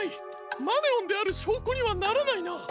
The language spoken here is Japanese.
マネオンであるしょうこにはならないな。